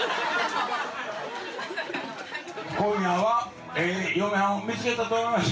小宮はええ嫁はんを見つけたと思います。